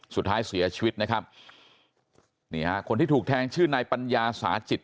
สุดท้ายเสียชีวิตนะครับนี่ฮะคนที่ถูกแทงชื่อนายปัญญาสาจิต